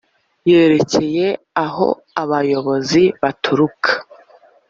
yerekeye aho abayobozi baturuka